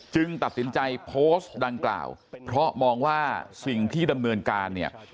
ตัดสินใจโพสต์ดังกล่าวเพราะมองว่าสิ่งที่ดำเนินการเนี่ย